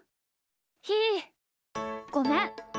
ひーごめん。